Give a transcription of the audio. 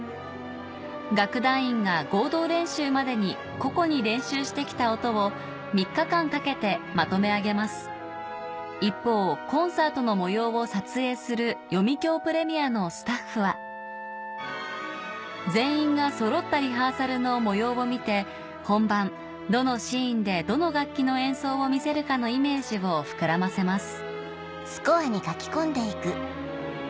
楽団員が合同練習までに個々に練習してきた音を３日間かけてまとめ上げます一方コンサートの模様を撮影する全員がそろったリハーサルの模様を見て本番どのシーンでどの楽器の演奏を見せるかのイメージを膨らませます